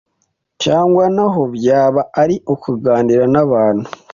cyangwa n’aho byaba ari ukuganira n’abantu